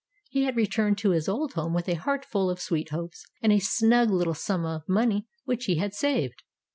He had returned to his old home with a heart full of sweet hopes, and a snug little sum of money which he had saved.